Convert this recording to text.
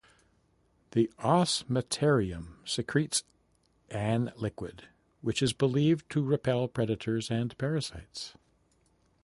The osmeterium secretes an liquid which is believed to repel predators and parasites.